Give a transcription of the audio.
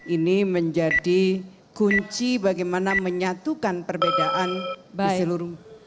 ini menjadi kunci bagaimana menyatukan perbedaan di seluruh